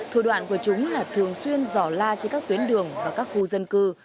thủ đoạn của chúng là thường xuyên giỏ la trên các tuyến đường và các khu dân cư